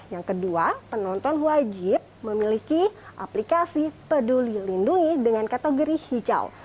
yang kedua penonton wajib memiliki aplikasi peduli lindungi dengan kategori hijau